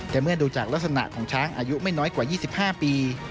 แต่เมื่อดูจากลักษณะของช้างอายุไม่น้อยกว่า๒๕ปี